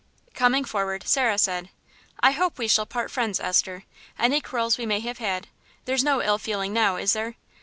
Coming forward, Sarah said "I hope we shall part friends, Esther; any quarrels we may have had There's no ill feeling now, is there?"